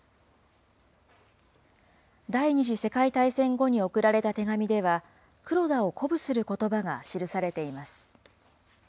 第２次世界大戦後に送られた手紙では、黒田を鼓舞することばが記されています。